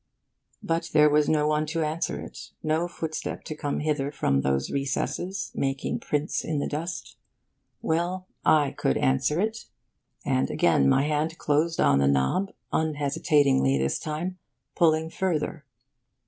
But there was no one to answer it, no footstep to come hither from those recesses, making prints in the dust. Well, I could answer it; and again my hand closed on the knob, unhesitatingly this time, pulling further.